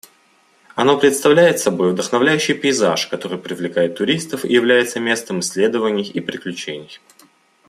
Оно представляет собой вдохновляющий пейзаж, который привлекает туристов и является местом исследований и приключений.